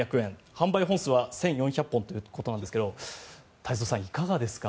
販売本数は１４００本ということなんですが太蔵さん、いかがですか？